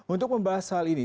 untuk membahas hal ini